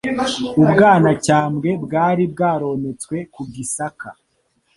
U Bwanacyambwe bwari bwarometswe ku Gisaka